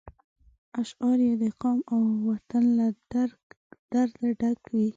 اشعار یې د قام او وطن له درده ډک وي.